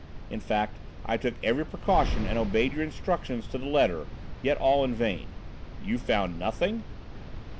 In fact, I took every precaution and obeyed your instructions to the letter yet all in vain." "You found nothing?"